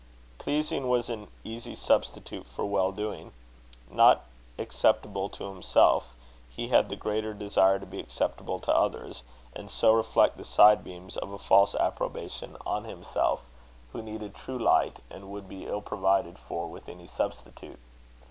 Pleasing was an easy substitute for well doing. Not acceptable to himself, he had the greater desire to be acceptable to others; and so reflect the side beams of a false approbation on himself who needed true light and would be ill provided for with any substitute.